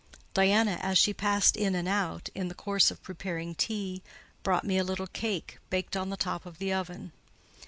Diana, as she passed in and out, in the course of preparing tea, brought me a little cake, baked on the top of the oven.